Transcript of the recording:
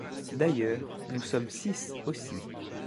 D’ailleurs, nous sommes six aussi.